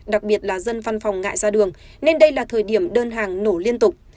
đặc biệt là dân văn phòng ngại ra đường nên đây là thời điểm đơn hàng nổ liên tục